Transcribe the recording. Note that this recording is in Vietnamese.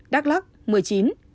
đắk lắc một mươi chín